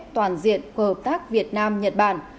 toàn diện của hợp tác việt nam nhật bản